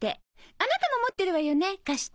あなたも持ってるわよね貸して。